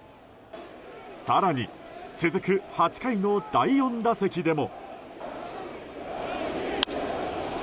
更に、続く８回の第４打席でも。